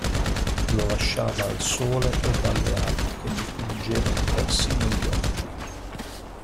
Lo lasciava al sole ed alle api che gli pungevano persino gli occhi.